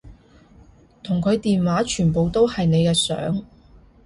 同佢電話全部都係你嘅相